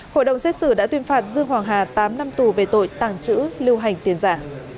hội đồng xét xử đã tuyên phạt dương hoàng hà tám năm tù về tội tàng trữ lưu hành tiền giả